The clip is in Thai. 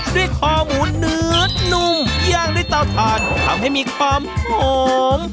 ด้วยขอหมูหนืดหนุ่มย่างด้วยเตาทานทำให้มีความหอม